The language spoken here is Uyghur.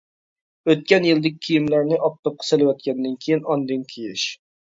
ئۆتكەن يىلدىكى كىيىملەرنى ئاپتاپقا سېلىۋەتكەندىن كېيىن ئاندىن كىيىش.